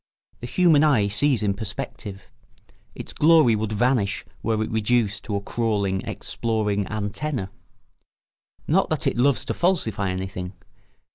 The human eye sees in perspective; its glory would vanish were it reduced to a crawling, exploring antenna. Not that it loves to falsify anything.